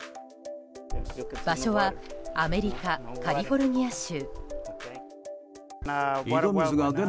場所はアメリカ・カリフォルニア州。